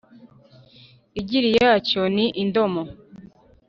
igira iyacyo ni indomo,